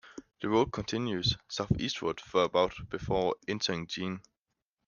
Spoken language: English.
The road continues southeastward for about before entering Jean.